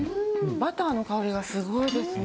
バターの香りがすごいですね。